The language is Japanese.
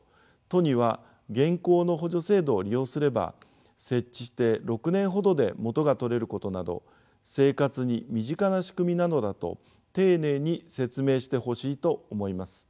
都には現行の補助制度を利用すれば設置して６年ほどで元が取れることなど生活に身近な仕組みなのだと丁寧に説明してほしいと思います。